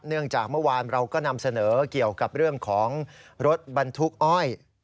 จากเมื่อวานเราก็นำเสนอเกี่ยวกับเรื่องของรถบรรทุกอ้อย